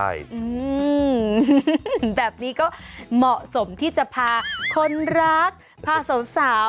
อืมแบบนี้ก็เหมาะสมที่จะพาคนรักพาสาว